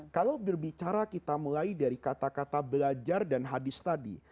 kalau berbicara kita mulai dari kata kata belajar dan hadis tadi